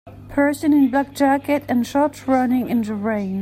Person in black jacket and shorts running in the rain.